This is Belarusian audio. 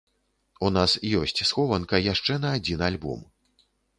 У нас ёсць схованка яшчэ на адзін альбом.